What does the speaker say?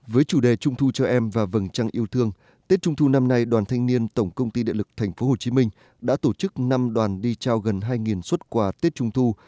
với chủ đề trung thu cho em và vầng trăng yêu thương tết trung thu năm nay đoàn thanh niên tổng công ty địa lực tp hcm đã tổ chức năm đoàn đi trao gần hai xuất quà tết trung thu